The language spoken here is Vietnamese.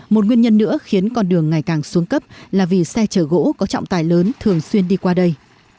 một nguyên nhân nữa khiến con đường ngày càng xuống cấp là vì xe chở gỗ có trọng tài lớn thường xuyên đi qua đây